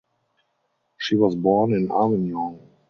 She was born in Avignon.